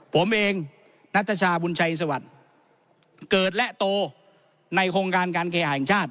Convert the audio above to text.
ผมเองนัทชาบุญชัยสวัสดิ์เกิดและโตในโครงการการเคหาแห่งชาติ